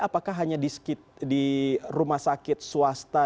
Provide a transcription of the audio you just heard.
apakah hanya di rumah sakit swasta